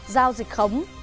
giao dịch khống